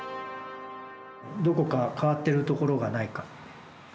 どこか変わってるところがないか。